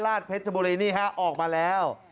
ราชทร์เพชรชมบุรีนี่ฮะออกมาแล้ว